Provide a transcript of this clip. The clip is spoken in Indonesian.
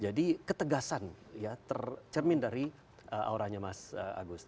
jadi ketegasan ya tercermin dari auranya mas agus